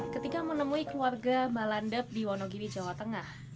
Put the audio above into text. ketika menemui keluarga mba landep di monogiri jawa tengah